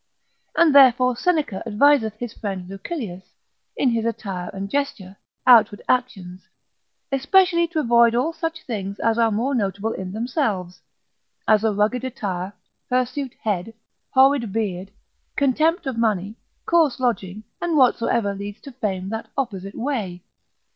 And therefore Seneca adviseth his friend Lucilius, in his attire and gesture, outward actions, especially to avoid all such things as are more notable in themselves: as a rugged attire, hirsute head, horrid beard, contempt of money, coarse lodging, and whatsoever leads to fame that opposite way.